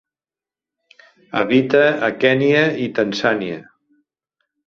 Habita a Kenya i Tanzània.